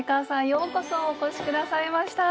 ようこそお越し下さいました。